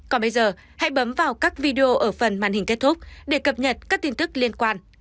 còn bây giờ hãy bấm vào các video ở phần màn hình kết thúc để cập nhật các tin tức liên quan